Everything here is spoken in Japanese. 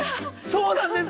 そうなんです。